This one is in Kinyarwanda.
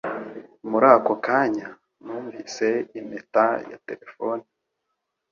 Muri ako kanya, numvise impeta ya terefone